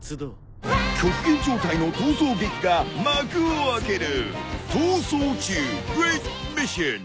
［極限状態の逃走劇が幕を開ける］